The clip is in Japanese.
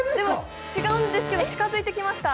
違うんですけど、近づいてきました。